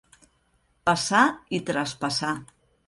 Passar i traspassar.